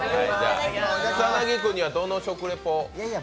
草薙君にはどの食リポを？